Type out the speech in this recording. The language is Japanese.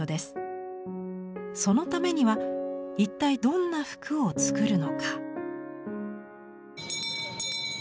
そのためには一体どんな服を作るのか。